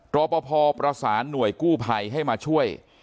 รอปภประสานหน่วยกู้ภัยให้มาช่วย